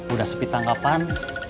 udah sepi tangkapan